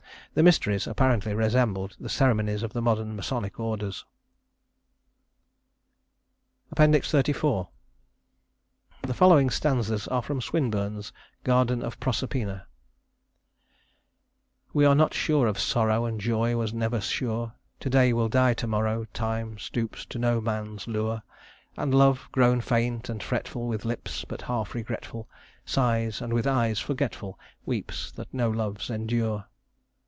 The Mysteries apparently resembled the ceremonies of the modern masonic orders. XXXIV The following stanzas are from Swinburne's "Garden of Proserpine": "We are not sure of sorrow, And joy was never sure; To day will die to morrow; Time stoops to no man's lure; And love, grown faint and fretful, With lips but half regretful, Sighs, and with eyes forgetful Weeps that no loves endure.